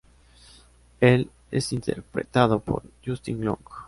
Él es interpretado por Justin Long.